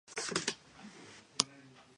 Woodland has been acting since childhood.